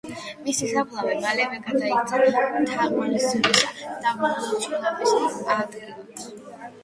მისი საფლავი მალევე გადაიქცა თაყვანისცემისა და მომლოცველობის ადგილად.